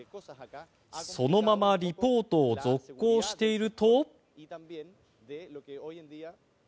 そのままリポートを続行していると。